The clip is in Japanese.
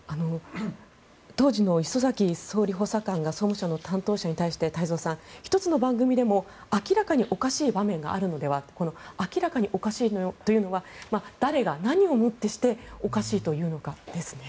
当時の礒崎総理補佐官が総務省の担当者に対して太蔵さん、１つの番組でも明らかにおかしい場面があるならというこの明らかにおかしいというのは誰が何をもってしておかしいというのかですね。